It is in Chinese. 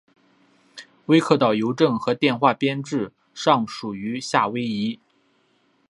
威克岛邮政和电话编制上属于夏威夷。